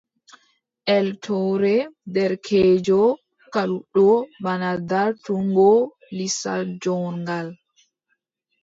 Eltoore derkeejo kalluɗo bana dartungo lisal joorngal.